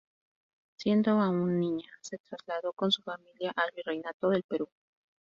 Siendo aún niña, se trasladó con su familia al Virreinato del Perú.